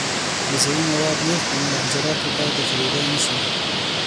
غذایي مواد نېغ په نېغه حجراتو ته داخلېدای نشي.